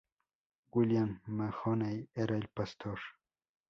William Mahoney era el pastor.